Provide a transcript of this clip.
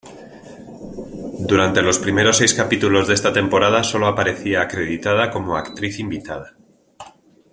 Durante los primeros seis capítulos de esta temporada solo aparecía acreditada como actriz invitada.